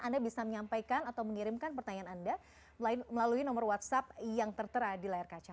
anda bisa menyampaikan atau mengirimkan pertanyaan anda melalui nomor whatsapp yang tertera di layar kaca